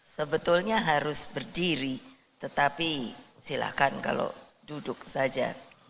sebetulnya harus berdiri tetapi silakan kalau duduk saja